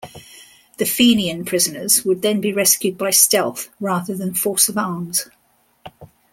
The Fenian prisoners would then be rescued by stealth rather than force of arms.